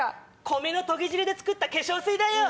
米の研ぎ汁で作った化粧水だよ。